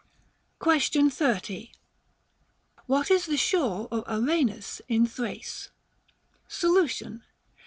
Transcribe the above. Question 30. What is the shore of Araenus in Thrace % Solution.